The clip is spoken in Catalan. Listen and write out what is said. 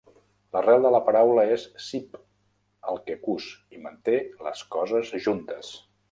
L'arrel de la paraula és "SIV", el que cus i manté les coses juntes.